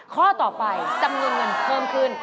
ข้อต่อไปจำนวนเงินเพิ่มขึ้น